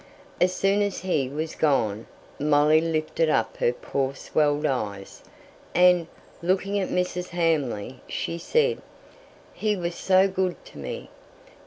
As soon as he was gone, Molly lifted up her poor swelled eyes, and, looking at Mrs. Hamley, she said, "He was so good to me.